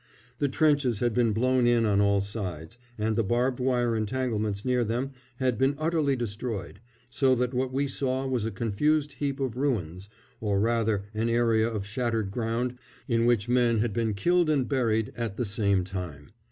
The trenches had been blown in on all sides, and the barbed wire entanglements near them had been utterly destroyed, so that what we saw was a confused heap of ruins, or rather an area of shattered ground in which men had been killed and buried at the same time.